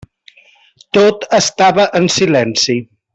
Tot estava en silenci.